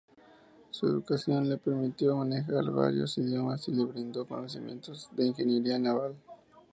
Su educación le permitió manejar varios idiomas y le brindó conocimientos de ingeniería naval.